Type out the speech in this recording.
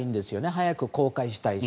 早く公開したいし。